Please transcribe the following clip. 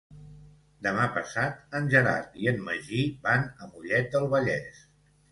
Demà passat en Gerard i en Magí van a Mollet del Vallès.